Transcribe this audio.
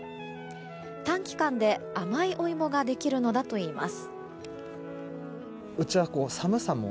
短期間で甘いお芋ができるのだといいます。